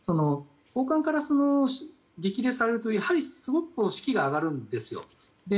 高官から激励されるとすごく士気が上がるんですよ。